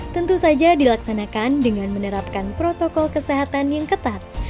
tentu saja dilaksanakan dengan menerapkan protokol kesehatan yang ketat